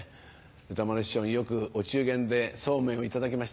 歌丸師匠によくお中元でそうめんを頂きました。